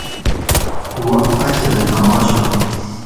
وخ اچھلہ نہ آشاں